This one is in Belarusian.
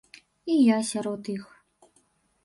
І я сярод іх.